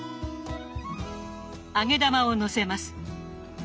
揚げ玉をのせます。